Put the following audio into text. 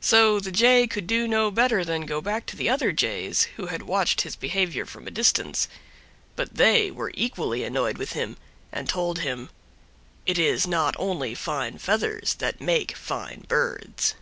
So the Jay could do no better than go back to the other Jays, who had watched his behavior from a distance; but they were equally annoyed with him, and told him "IT IS NOT ONLY FINE FEATHERS THAT MAKE FINE BIRDS."